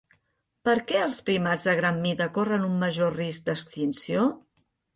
Per què els primats de gran mida corren un major risc d'extinció?